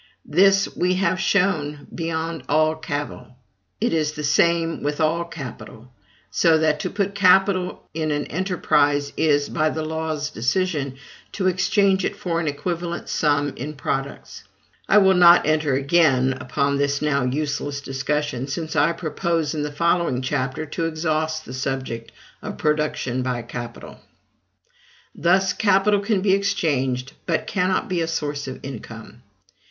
This we have shown beyond all cavil. It is the same with all capital; so that to put capital in an enterprise, is, by the law's decision, to exchange it for an equivalent sum in products. I will not enter again upon this now useless discussion, since I propose, in the following chapter, to exhaust the subject of PRODUCTION BY CAPITAL. Thus, capital can be exchanged, but cannot be a source of income.